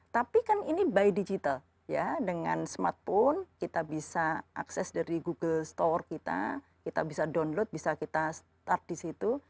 tapi kan ini by digital ya dengan smartphone kita bisa akses dari google store kita kita bisa download bisa kita start di situ